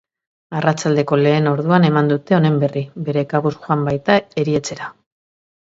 Arratsaldeko lehen orduan eman dute honen berri, bere kabuz joan baita erietxera.